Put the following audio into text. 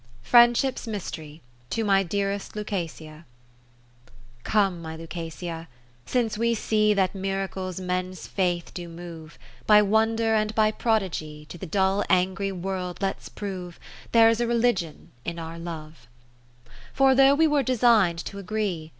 Friendship's Mystery, To my dearest Lucasia I Come, my Lucasia, since we see That miracles men's faith do move, By wonder and by prodigy To the dull angry world let's prove There 's a religion in our Love, II For though we were design'd t' agree.